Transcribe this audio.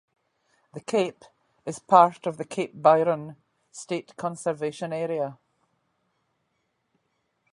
The Cape is part of the Cape Byron State Conservation Area.